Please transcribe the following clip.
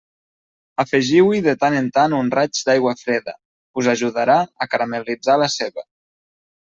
Afegiu-hi de tant en tant un raig d'aigua freda; us ajudarà a caramel·litzar la ceba.